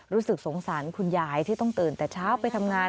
รู้สึกสงสารคุณยายที่ต้องตื่นแต่เช้าไปทำงาน